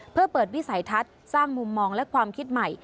เพื่อเปิดวิสัยทัศน์สร้างมุมมองและความคิดใหม่